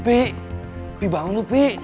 opi bangun lu opi